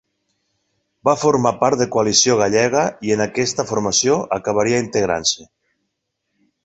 Va formar part de Coalició Gallega i en aquesta formació acabaria integrant-se.